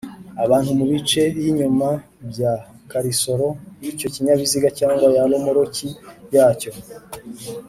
Abantu mu bice y inyuma bya karisoro y icyo kinyabiziga cyangwa ya romoruki yacyo